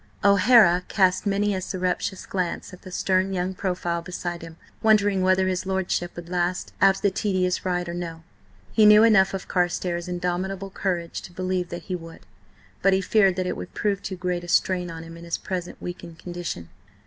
O'Hara cast many a surreptitious glance at the stern young profile beside him, wondering whether his lordship would last out the tedious ride or no. He knew enough of Carstares' indomitable courage to believe that he would, but he feared that it would prove too great a strain on him in his present weakened condition.